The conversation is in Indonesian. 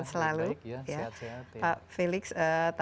untuk melihat peran pemerintah terhadap pembangunan kesehatan